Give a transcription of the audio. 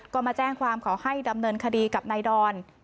ก็มาแจ้งความขอให้ดำเนินคดีกับนายดอน